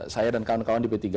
saya dan kawan kawan di p tiga